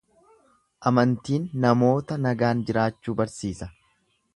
Amantiin namoota nagaan jiraachuu barsiisa.